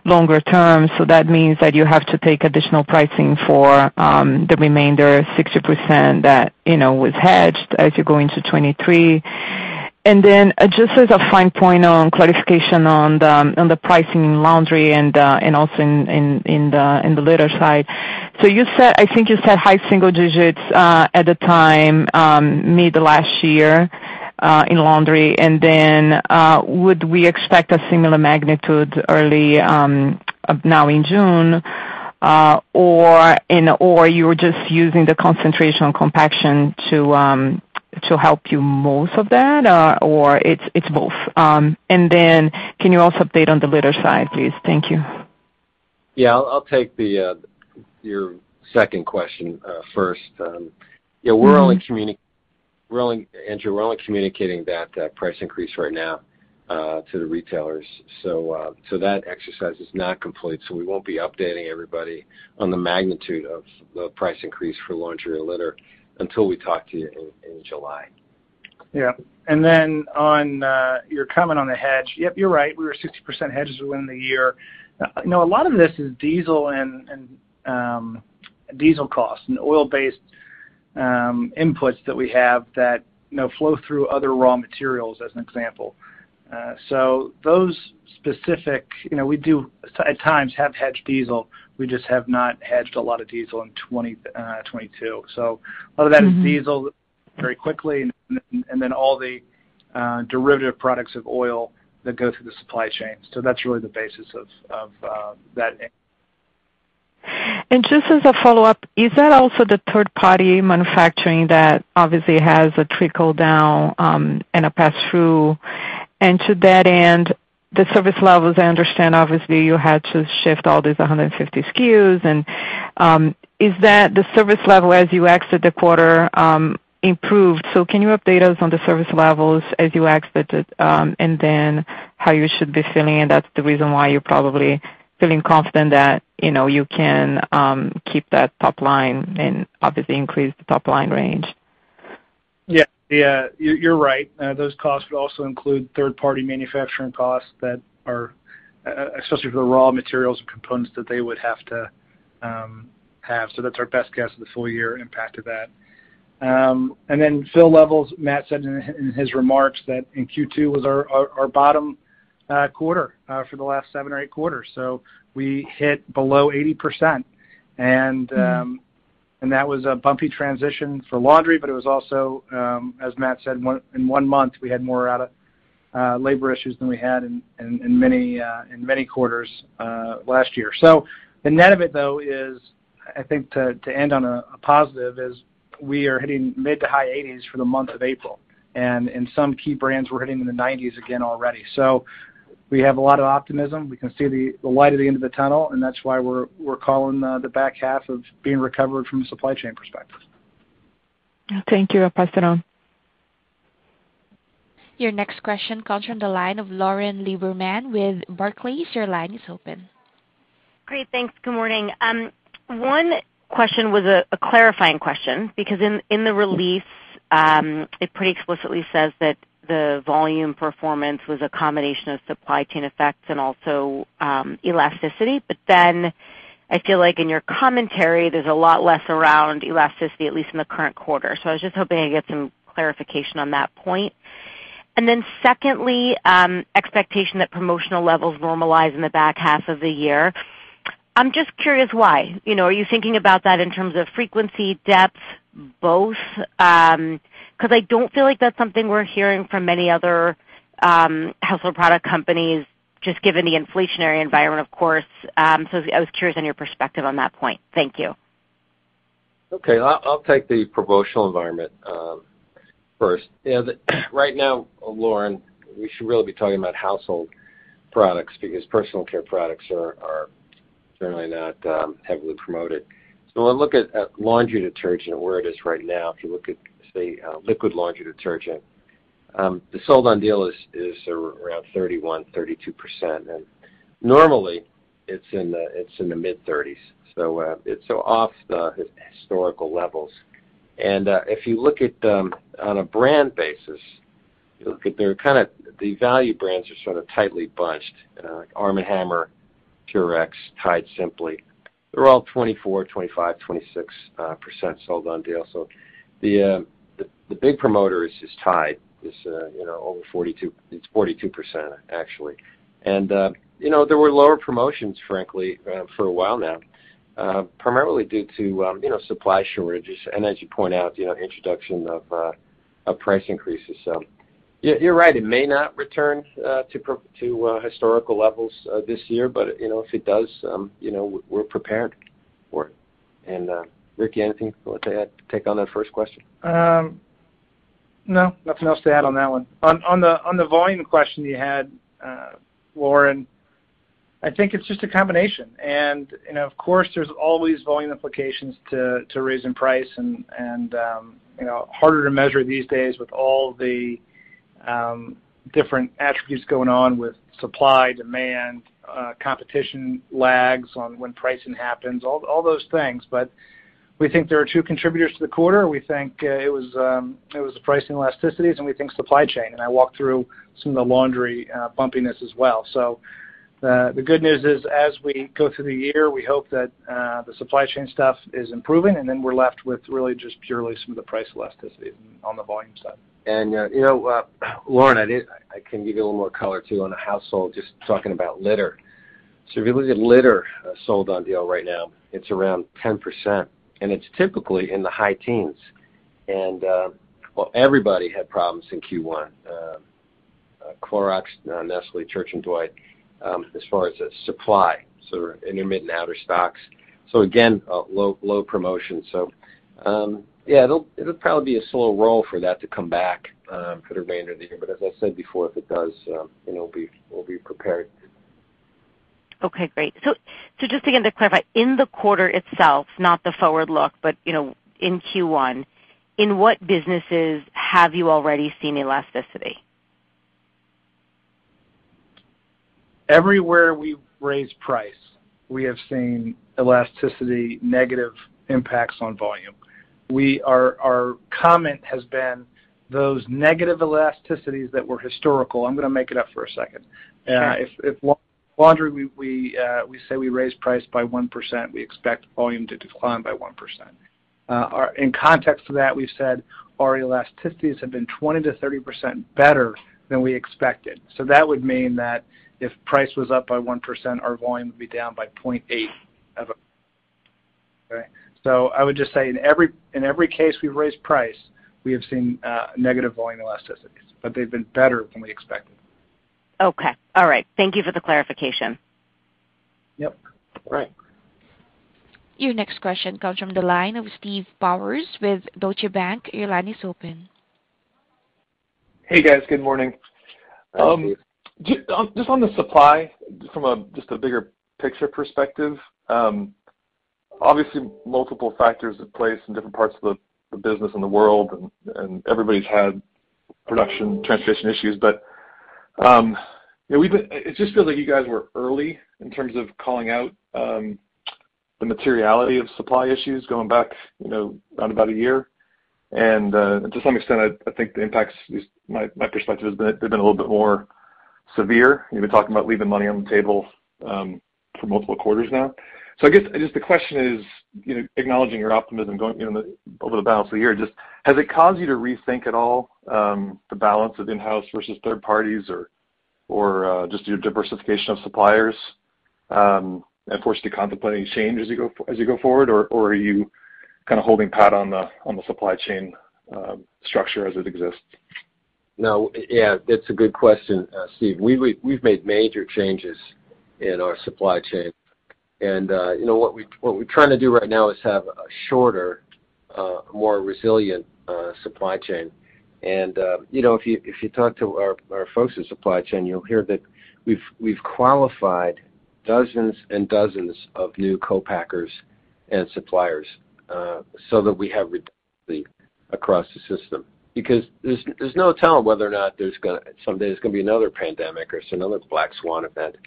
longer term. That means that you have to take additional pricing for the remainder 60% that, you know, was hedged as you go into 2023. Then just as a fine point on clarification on the pricing in laundry and also in the litter side. You said, I think you said high single digits% at the time, mid of last year, in laundry. Would we expect a similar magnitude early on now in June, or you were just using the concentration on compaction to help you most of that, or it's both? Can you also update on the litter side, please? Thank you. I'll take your second question first. We're only communicating that price increase right now to the retailers. Andrea, that exercise is not complete, so we won't be updating everybody on the magnitude of the price increase for laundry or litter until we talk to you in July. Yeah. On your comment on the hedge. Yep, you're right. We were 60% hedged within the year. You know, a lot of this is diesel and diesel costs and oil-based inputs that we have that you know flow through other raw materials, as an example. You know, we do at times have hedged diesel. We just have not hedged a lot of diesel in 2022. A lot of that. Mm-hmm. Is diesel very quickly and then all the derivative products of oil that go through the supply chain. That's really the basis of that. Just as a follow-up, is that also the third-party manufacturing that obviously has a trickle down, and a pass-through? To that end, the service levels, I understand obviously you had to shift all these 150 SKUs. Is that the service level as you exit the quarter improved? Can you update us on the service levels as you exit it, and then how you should be feeling, and that's the reason why you're probably feeling confident that, you know, you can keep that top line and obviously increase the top-line range? Yeah, you're right. Those costs would also include third-party manufacturing costs that are especially for the raw materials and components that they would have to have. So that's our best guess of the full year impact of that. And then fill levels, Matt said in his remarks that in Q2 was our bottom quarter for the last seven or eight quarters. So we hit below 80%. And that was a bumpy transition for laundry, but it was also, as Matt said, in one month, we had more outages than we had in many quarters last year. The net of it, though, is, I think to end on a positive, is we are hitting mid- to high-80s for the month of April. In some key brands, we're hitting in the 90s again already. We have a lot of optimism. We can see the light at the end of the tunnel, and that's why we're calling the back half of being recovered from a supply chain perspective. Thank you, I'll pass it on. Your next question comes from the line of Lauren Lieberman with Barclays. Your line is open. Great. Thanks. Good morning. One question was a clarifying question because in the release, it pretty explicitly says that the volume performance was a combination of supply chain effects and also elasticity. I feel like in your commentary, there's a lot less around elasticity, at least in the current quarter. I was just hoping I'd get some clarification on that point. Secondly, expectation that promotional levels normalize in the back half of the year. I'm just curious why. You know, are you thinking about that in terms of frequency, depth, both? 'Cause I don't feel like that's something we're hearing from many other household product companies, just given the inflationary environment, of course. I was curious on your perspective on that point. Thank you. Okay. I'll take the promotional environment first. Yeah, right now, Lauren, we should really be talking about household products because personal care products are generally not heavily promoted. When we look at laundry detergent and where it is right now, if you look at, say, liquid laundry detergent, the sold on deal is around 31%-32%. Normally, it's in the mid-30s. It's off the historical levels. If you look at them on a brand basis, the value brands are sort of tightly bunched, you know, like Arm & Hammer, Purex, Tide Simply. They're all 24%-26% sold on deal. The big promoter is Tide. It's, you know, over 42. It's 42%, actually. You know, there were lower promotions, frankly, for a while now, primarily due to you know, supply shortages, and as you point out, you know, introduction of price increases. You're right, it may not return to historical levels this year, but you know, if it does, you know, we're prepared for it. Rick, anything you'd like to add to take on that first question? No, nothing else to add on that one. On the volume question you had, Lauren, I think it's just a combination. You know, of course, there's always volume implications to raising price and you know, harder to measure these days with all the different attributes going on with supply, demand, competition lags on when pricing happens, all those things. We think there are two contributors to the quarter. We think it was the price elasticities, and we think supply chain, and I walked through some of the laundry bumpiness as well. The good news is, as we go through the year, we hope that the supply chain stuff is improving, and then we're left with really just purely some of the price elasticity on the volume side. You know, Lauren, I can give you a little more color, too, on the household, just talking about litter. If you look at litter sold on deal right now, it's around 10%, and it's typically in the high teens. Well, everybody had problems in Q1, Clorox, Nestlé, Church & Dwight, as far as the supply, so they were in and out of stocks. Again, low promotion. Yeah, it'll probably be a slow roll for that to come back, for the remainder of the year. As I said before, if it does, you know, we'll be prepared. Okay, great. Just again to clarify, in the quarter itself, not the forward look, but you know, in Q1, in what businesses have you already seen elasticity? Everywhere we've raised price, we have seen elasticity negative impacts on volume. Our comment has been those negative elasticities that were historical. I'm gonna make it up for a second. Sure. In laundry, we say we raise price by 1%, we expect volume to decline by 1%. In context to that, we've said our elasticities have been 20%-30% better than we expected. That would mean that if price was up by 1%, our volume would be down by 0.8 as opposed, right? I would just say in every case we've raised price, we have seen negative volume elasticities, but they've been better than we expected. Okay. All right. Thank you for the clarification. Yep. Right. Your next question comes from the line of Steve Powers with Deutsche Bank. Your line is open. Hey, guys. Good morning. Hi, Steve. Just on the supply from a just a bigger picture perspective, obviously multiple factors at play in some different parts of the business and the world, and everybody's had production transition issues. You know, it just feels like you guys were early in terms of calling out the materiality of supply issues going back, you know, around about a year. To some extent, I think the impacts is my perspective has been they've been a little bit more severe. You've been talking about leaving money on the table for multiple quarters now. I guess the question is, you know, acknowledging your optimism going, you know, over the balance of the year, just has it caused you to rethink at all, the balance of in-house versus third parties or, just your diversification of suppliers, and forced you to contemplate any change as you go forward? Or, are you kind of holding pat on the supply chain structure as it exists? No. Yeah, it's a good question, Steve. We've made major changes in our supply chain. You know, what we're trying to do right now is have a shorter, more resilient, supply chain. You know, if you talk to our folks in supply chain, you'll hear that we've qualified dozens and dozens of new co-packers and suppliers, so that we have across the system. Because there's no telling whether or not someday there's gonna be another pandemic or some other black swan event.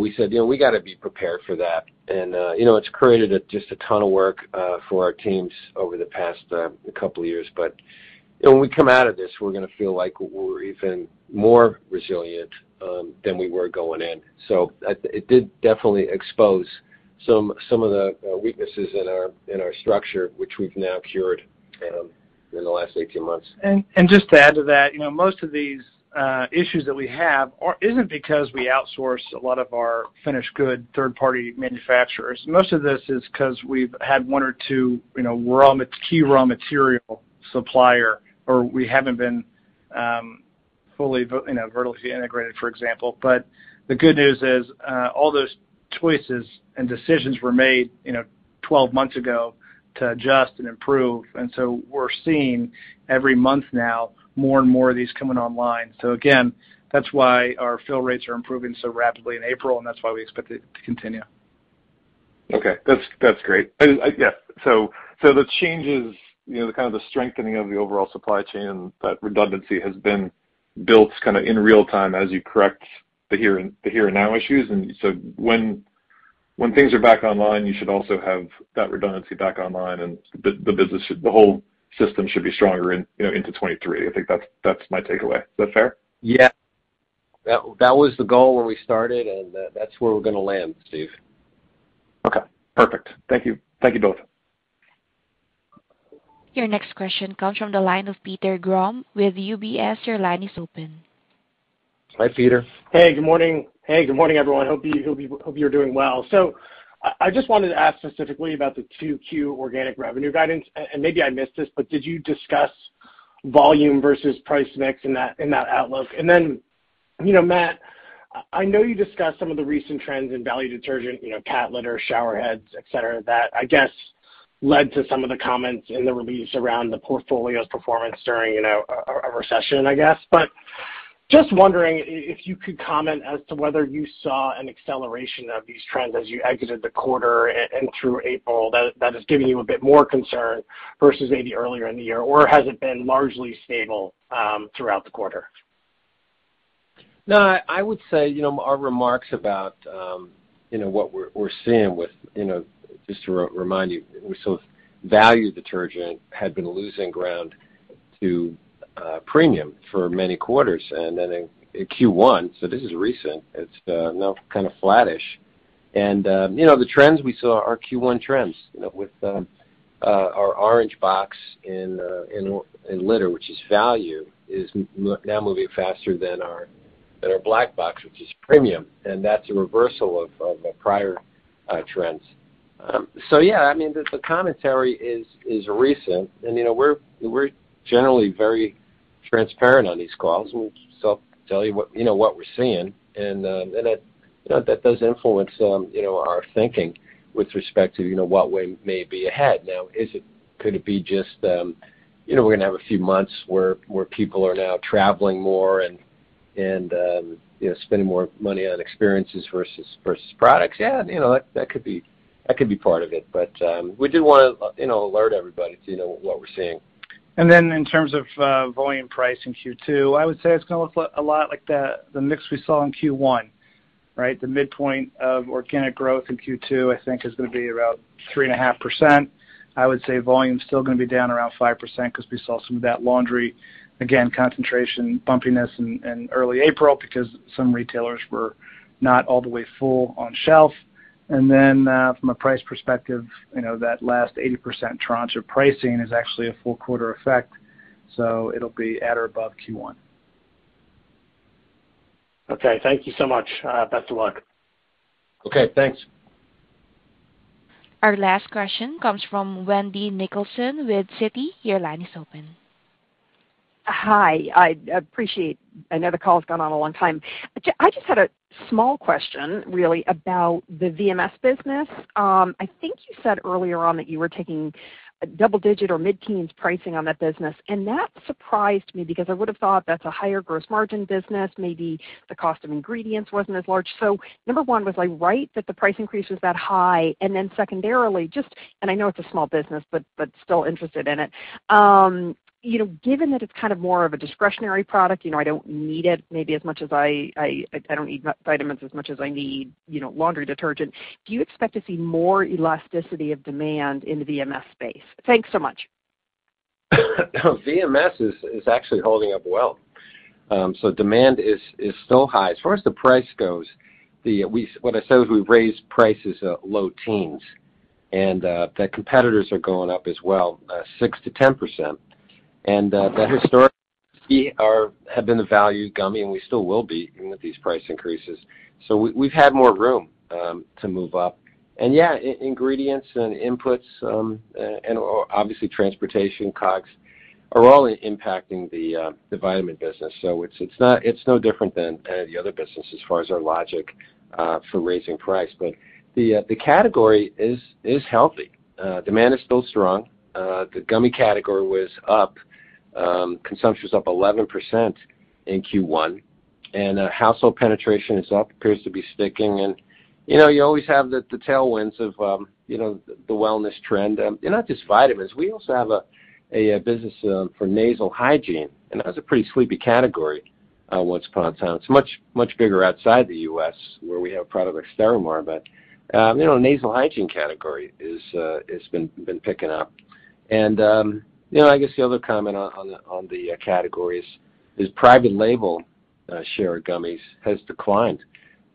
We said, "You know, we gotta be prepared for that." You know, it's created just a ton of work for our teams over the past couple years. You know, when we come out of this, we're gonna feel like we're even more resilient than we were going in. It did definitely expose some of the weaknesses in our structure, which we've now cured in the last 18 months. Just to add to that, you know, most of these issues that we have isn't because we outsource a lot of our finished goods third-party manufacturers. Most of this is 'cause we've had one or two, you know, key raw material supplier, or we haven't been fully vertically integrated, for example. The good news is all those choices and decisions were made, you know, 12 months ago to adjust and improve. We're seeing every month now more and more of these coming online. Again, that's why our fill rates are improving so rapidly in April, and that's why we expect it to continue. Okay. That's great. The changes, you know, the kind of strengthening of the overall supply chain and that redundancy has been built kinda in real time as you correct the here-and-now issues. When things are back online, you should also have that redundancy back online, and the whole system should be stronger, you know, into 2023. I think that's my takeaway. Is that fair? Yeah. That was the goal when we started, and that's where we're gonna land, Steve. Okay. Perfect. Thank you. Thank you both. Your next question comes from the line of Peter Grom with UBS. Your line is open. Hi, Peter. Hey, good morning, everyone. Hope you're doing well. I just wanted to ask specifically about the 2Q organic revenue guidance. Maybe I missed this, but did you discuss volume versus price mix in that outlook? You know, Matt, I know you discussed some of the recent trends in value detergent, you know, cat litter, shower heads, et cetera, that I guess led to some of the comments in the release around the portfolio's performance during, you know, a recession, I guess. Just wondering if you could comment as to whether you saw an acceleration of these trends as you exited the quarter and through April that is giving you a bit more concern versus maybe earlier in the year? Or has it been largely stable throughout the quarter? No, I would say, you know, our remarks about, you know, what we're seeing with, you know, just to remind you, we saw value detergent had been losing ground to premium for many quarters. Then in Q1, so this is recent, it's now kind of flattish. You know, the trends we saw are Q1 trends, you know, with our orange box in litter, which is value, is now moving faster than our black box, which is premium. That's a reversal of prior trends. Yeah, I mean, the commentary is recent. You know, we're generally very transparent on these calls, and we still tell you what, you know, what we're seeing. That does influence, you know, our thinking with respect to, you know, what we may be ahead. Now, could it be just, you know, we're gonna have a few months where people are now traveling more and, you know, spending more money on experiences versus products? Yeah, you know, that could be part of it. We do wanna, you know, alert everybody to, you know, what we're seeing. In terms of volume price in Q2, I would say it's gonna look a lot like the mix we saw in Q1, right? The midpoint of organic growth in Q2, I think, is gonna be about 3.5%. I would say volume's still gonna be down around 5%, 'cause we saw some of that laundry, again, concentration bumpiness in early April because some retailers were not all the way full on shelf. From a price perspective, you know, that last 80% tranche of pricing is actually a full quarter effect, so it'll be at or above Q1. Okay. Thank you so much. Best of luck. Okay, thanks. Our last question comes from Wendy Nicholson with Citi. Your line is open. Hi. I appreciate. I know the call has gone on a long time. I just had a small question really about the VMS business. I think you said earlier on that you were taking double digit or mid-teens pricing on that business, and that surprised me because I would have thought that's a higher gross margin business, maybe the cost of ingredients wasn't as large. Number one, was I right that the price increase was that high? Then secondarily, just, and I know it's a small business, but still interested in it, you know, given that it's kind of more of a discretionary product, you know, I don't need it maybe as much as I don't need vitamins as much as I need, you know, laundry detergent. Do you expect to see more elasticity of demand in the VMS space? Thanks so much. VMS is actually holding up well. Demand is still high. As far as the price goes, what I said was we raised prices low teens and the competitors are going up as well 6%-10%. They historically have been the value gummy, and we still will be even with these price increases. We've had more room to move up. Ingredients and inputs and/or obviously transportation costs are all impacting the vitamin business. It's no different than any of the other business as far as our logic for raising price. The category is healthy. Demand is still strong. The gummy category was up. Consumption is up 11% in Q1, and household penetration is up, appears to be sticking. You know, you always have the tailwinds of, you know, the wellness trend, and not just vitamins. We also have a business for nasal hygiene, and that's a pretty sleepy category once upon a time. It's much bigger outside the U.S., where we have a product like Stérimar. You know, nasal hygiene category has been picking up. You know, I guess the other comment on the categories is private label share of gummies has declined.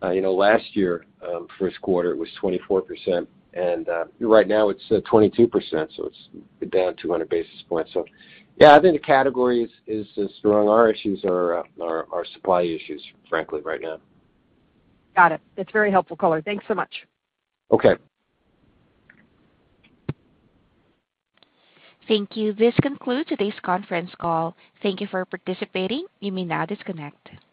You know, last year first quarter, it was 24%, and right now it's 22%, so it's down 200 basis points. Yeah, I think the category is strong. Our issues are supply issues, frankly, right now. Got it. That's very helpful color. Thanks so much. Okay. Thank you. This concludes today's conference call. Thank you for participating. You may now disconnect.